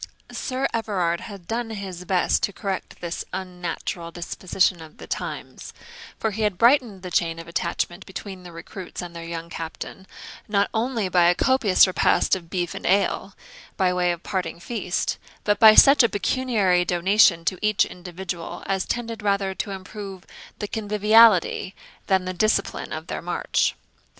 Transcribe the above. Sir Everard had done his best to correct this unnatural disposition of the times; for he had brightened the chain of attachment between the recruits and their young captain, not only by a copious repast of beef and ale, by way of parting feast, but by such a pecuniary donation to each individual as tended rather to improve the conviviality than the discipline of their march.